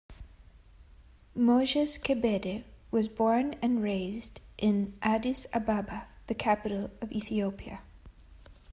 Moges Kebede was born and raised in Addis Ababa, the capital of Ethiopia.